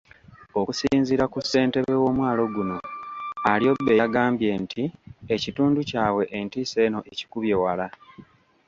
Okusinziira ku ssentebe w'omwalo guno, Alyobe, yagambye nti ekitundu kyabwe entiisa eno ekikubye wala.